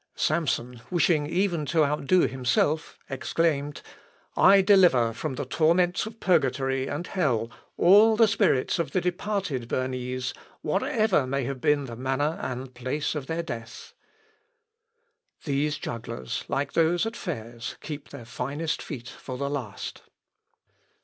Samson wishing even to outdo himself, exclaimed, "I deliver from the torments of purgatory and hell all the spirits of the departed Bernese, whatever may have been the manner and place of their death." These jugglers, like those at fairs, kept their finest feat for the last.